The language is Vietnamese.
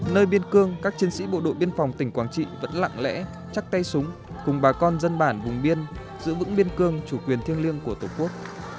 nơi biên cương các chiến sĩ bộ đội biên phòng tỉnh quảng trị vẫn lặng lẽ chắc tay súng cùng bà con dân bản vùng biên giữ vững biên cương chủ quyền thiêng liêng của tổ quốc